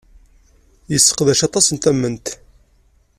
Yesseqdec aṭas n tamemt.